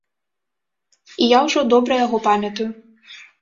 І я ўжо добра яго памятаю.